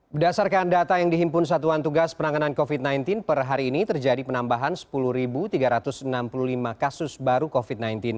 berdasarkan data yang dihimpun satuan tugas penanganan covid sembilan belas per hari ini terjadi penambahan sepuluh tiga ratus enam puluh lima kasus baru covid sembilan belas